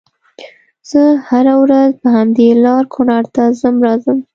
زه هره ورځ په همدې لار کونړ ته ځم راځم